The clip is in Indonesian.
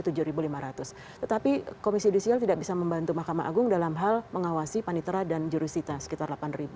tetapi komisi judisial tidak bisa membantu mahkamah agung dalam hal mengawasi panitera dan jurusita sekitar delapan